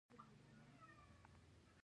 جرمني په لومړیو کې سخت مقاومت وکړ.